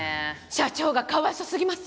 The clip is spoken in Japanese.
社長がかわいそうすぎます。